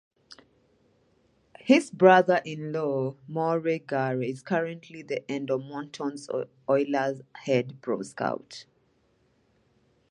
His other brother-in-law, Morey Gare, is currently the Edmonton Oilers head pro scout.